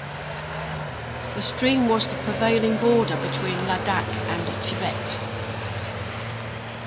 The stream was the prevailing border between Ladakh and Tibet.